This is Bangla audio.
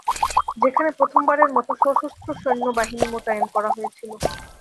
যেখানে প্রথমবারের মতো সশস্ত্র সৈন্যবাহিনী মোতায়েন করা হয়েছিল।